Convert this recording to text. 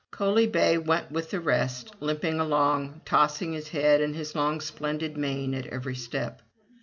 Coaly bay went with the rest, limping along, tossing his head and his long splendid mane at every step.